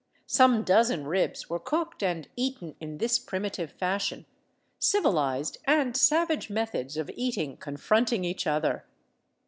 Some dozen ribs were cooked and eaten in this primitive fashion, civilized and savage methods of eating confronting each other.